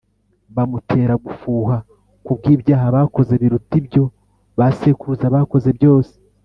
bamutera gufuha ku bw’ibyaha bakoze biruta ibyo ba sekuruza bakoze byose